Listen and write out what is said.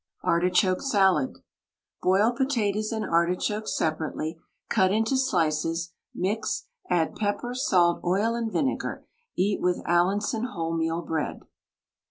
ARTICHOKE SALAD. Boil potatoes and artichokes separately, cut into slices; mix, add pepper, salt, oil, and vinegar; eat with Allinson wholemeal bread.